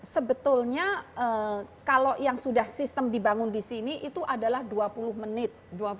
sebetulnya kalau yang sudah sistem dibangun di sini itu adalah dua puluh menit